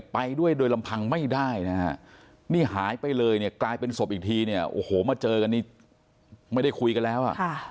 ไปด้วยโดยลำพังไม่ได้นี่หายไปเลยกลายเป็นศพอีกทีโอ้โหมาเจอกันนี่ไม่ได้คุยกันแล้ว